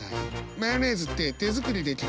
マヨネーズって手作りできるんだよ。